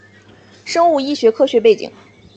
生物医学科学背景